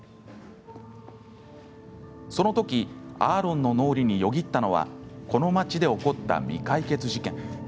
その時アーロンの脳裏によぎったのはこの町で起こった未解決事件。